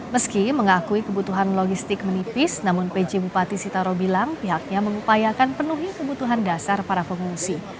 meski mengakui kebutuhan logistik menipis namun pj bupati sitaro bilang pihaknya mengupayakan penuhi kebutuhan dasar para pengungsi